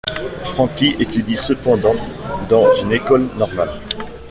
Frankie étudie cependant dans une école normale.